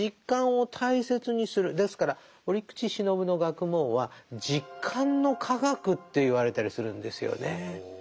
ですから折口信夫の学問は「実感の科学」って言われたりするんですよね。